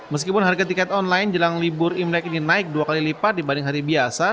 meskipun harga tiket online jelang libur imlek ini naik dua kali lipat dibanding hari biasa